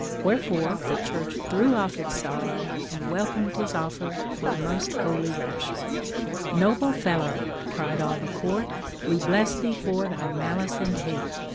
Wherefore the Church threw off its sorrow and welcomed his offer with most holy rapture:— "Noble fellow! cried all the court, We bless thee for thy malice and hate.